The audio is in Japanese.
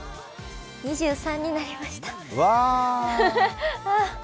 ２３になりました。